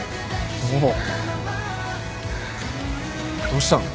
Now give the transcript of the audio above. どうしたの？